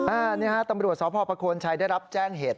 อันนี้ฮะตำรวจสพประโคนชัยได้รับแจ้งเหตุ